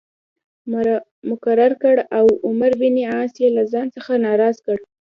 مقرر کړ او عمرو بن عاص یې له ځان څخه ناراض کړ.